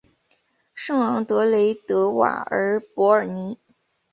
圣昂德雷德瓦尔博尔尼。